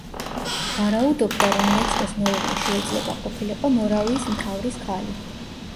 ვარაუდობდა რომ, ლეცკოს მეუღლე შეიძლება ყოფილიყო მორავიის მთავრის ქალი.